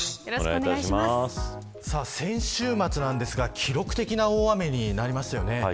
先週末なんですが記録的な大雨になりましたよね。